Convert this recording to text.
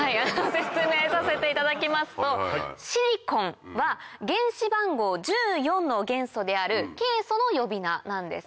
説明させていただきますとシリコンは原子番号１４の元素であるケイ素の呼び名なんです。